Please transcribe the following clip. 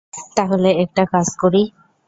তাহলে একটা কাজ করি?